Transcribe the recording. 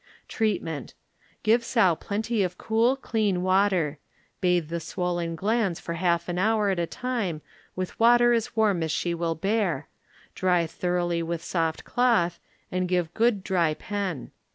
Treatment. ŌĆö Give sow plenty of cool clean water; bathe the swollen glands for half hour at a time with water as warm as she will bear, dry thoroughly with soft cloth and give good dry pen.